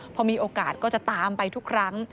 พอมีโอกาสก็จะตามไปทุกครั้ง